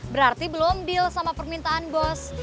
berarti belum deal sama permintaan bos